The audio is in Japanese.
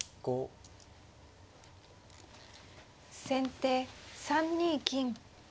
先手３二金。